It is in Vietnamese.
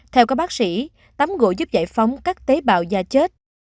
theo các bác sĩ tắm gội giúp giải phóng các tế bào da chết